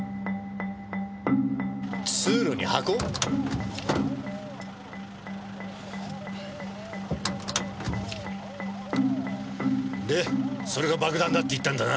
通路に箱？でそれが爆弾だって言ったんだな？